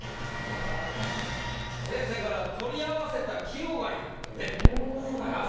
先生から「取り合わせた季語が良い」ということでございます。